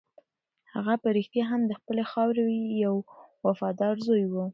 هغه په رښتیا هم د خپلې خاورې یو وفادار زوی و.